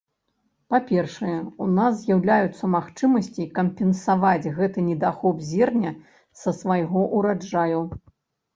Па-першае, у нас з'яўляюцца магчымасці кампенсаваць гэты недахоп зерня са свайго ўраджаю.